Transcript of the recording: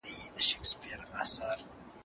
هیلې خپل تور بخمل کالي په خپلو موټو کې کلک کړل.